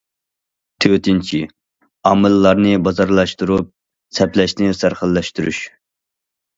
تۆتىنچى، ئامىللارنى بازارلاشتۇرۇپ سەپلەشنى سەرخىللاشتۇرۇش.